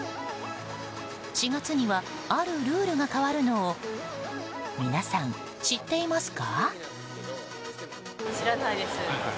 ４月にはあるルールが変わるのを皆さん、知っていますか？